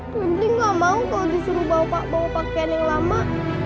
febri nggak mau kalau disuruh bawa pakaian yang lama